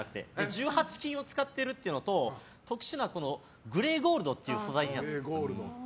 １８金を使っているというのと特殊なグレーゴールドっていう素材なんです。